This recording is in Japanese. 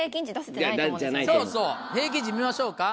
そうそう平均値見ましょうか？